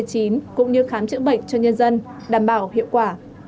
cũng như khám chữa bệnh cho nhân dân đảm bảo hiệu quả